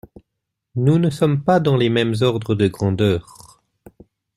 Nous ne sommes pas dans les mêmes ordres de grandeur.